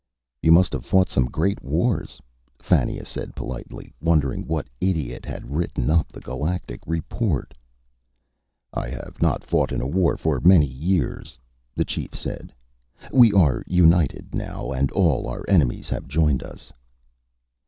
"You must have fought some great wars," Fannia said politely, wondering what idiot had written up the galactic report. "I have not fought a war for many years," the chief said. "We are united now, and all our enemies have joined us."